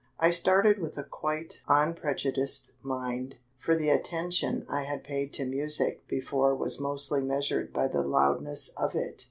I started with a quite unprejudiced mind, for the attention I had paid to music before was mostly measured by the loudness of it.